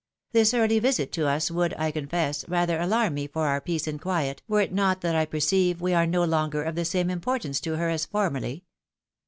This early visit to us would, I confess, rather alarm me for our peace and quiet, were it not that I perceive we are no longer of the same im portance to her as formerly.